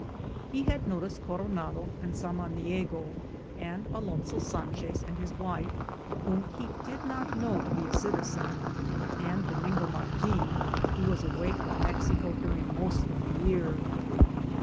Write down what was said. He had noticed Coronado and Samaniego, and Alonso Sanchez and his wife, whom he did not know to be a citizen, and Domingo Martin, who was away from Mexico during most of the year.